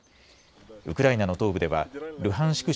ウクライナの東部ではルハンシク